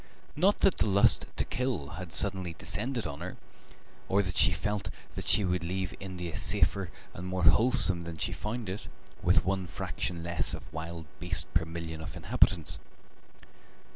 Not that the lust to kill had suddenly descended on her, or that she felt that she would leave India safer and more wholesome than she had found it, with one fraction less of wild beast per million of inhabitants.